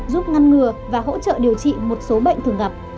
giúp ngăn ngừa và hỗ trợ điều trị một số bệnh thường gặp